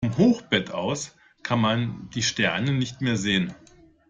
Vom Hochbett aus kann man die Sterne nicht mehr sehen.